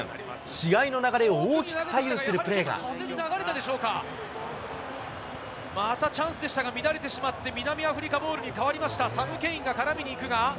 試合の流れを大きく左右するプレまたチャンスでしたが乱れてしまって、南アフリカボールに変わりました。